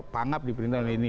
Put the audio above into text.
pangap di pemerintahan ini